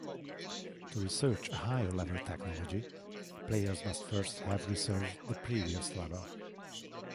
To research a higher-level technology, players must first have researched the previous level.